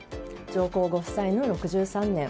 上皇ご夫妻の６３年。